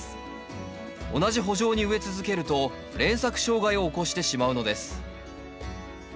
同じ圃場に植え続けると連作障害を起こしてしまうのです。